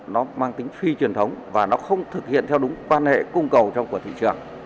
nó mang tính phi truyền thống và nó không thực hiện theo đúng quan hệ cung cầu của thị trường